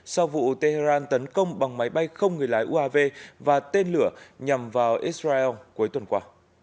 sau vụ tehran tấn công bằng máy bay không người lái uav và tên lửa nhằm vào israel cuối tuần qua